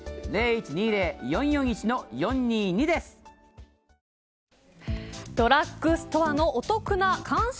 コムっち、どうドラッグストアのお得な感謝